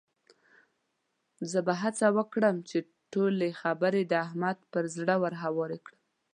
زه به هڅه وکړم چې ټولې خبرې د احمد پر زړه ورهوارې کړم.